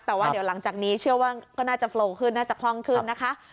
แต่ว่าเดี๋ยวหลังจากนี้เชื่อว่าก็น่าจะโฟลขึ้นน่าจะคล่องขึ้นนะคะ